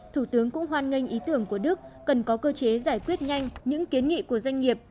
thủ tướng hoan nghênh ý tưởng của đức cần có cơ chế giải quyết nhanh những kiến nghị của doanh nghiệp